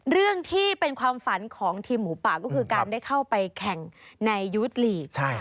เรื่องที่เป็นความฝันของทีมหมูป่าก็คือการได้เข้าไปแข่งในยูทลีก